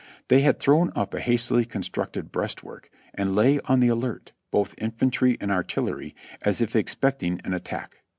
They had thrown up a hastily constructed breastwork and lay on the alert, both infantry and artillery, as if expecting an at tack.